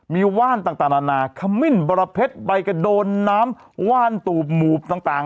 มีว่านต่างนานาขมิ้นบรเพชรใบกระโดนน้ำว่านตูบหมูบต่าง